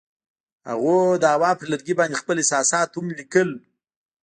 هغوی د هوا پر لرګي باندې خپل احساسات هم لیکل.